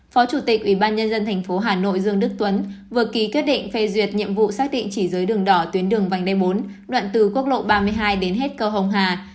phó chủ tịch ủy ban nhân dân tp hà nội dương đức tuấn vừa ký kết định phê duyệt nhiệm vụ xác định chỉ giới đường đỏ tuyến đường vảnh đe bốn đoạn từ quốc lộ ba mươi hai đến hết cầu hồng hà